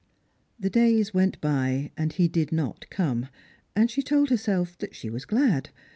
The days went by and he did not come, and she told herself that she was glad.